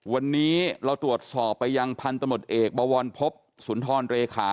วันนี้เราตรวจสอบไปยังพันธมตเอกบวรพบสุนทรเลขา